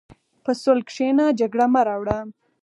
په صلح کښېنه، جګړه مه راوړه.